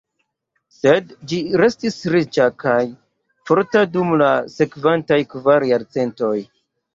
Sed ĝi restis riĉa kaj forta dum la sekvantaj kvar jarcentoj.